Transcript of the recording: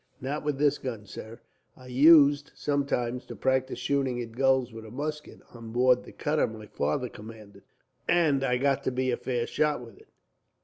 "Not with this gun, sir. I used, sometimes, to practise shooting at gulls with a musket, on board the cutter my father commanded; and I got to be a fair shot with it."